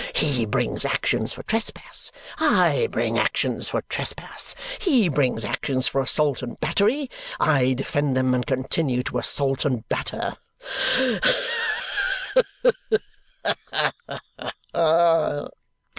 He brings actions for trespass; I bring actions for trespass. He brings actions for assault and battery; I defend them and continue to assault and batter.